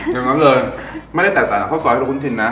ยังงั้นเลยไม่ได้แตกต่างกับเค้าซอยนะคุณทินนะ